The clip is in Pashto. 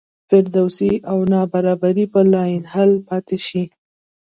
فرودستي او نابرابري به لاینحل پاتې شي.